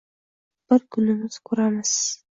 Bir kunimiz ko’ramiz!..